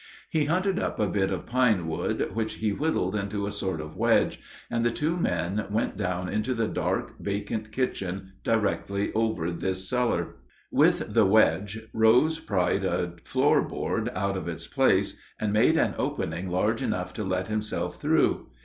He hunted up a bit of pine wood which he whittled into a sort of wedge, and the two men went down into the dark, vacant kitchen directly over this cellar. With the wedge Rose pried a floor board out of its place, and made an opening large enough to let himself through.